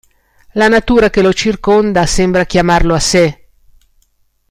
La natura che lo circonda, sembra chiamarlo a sé.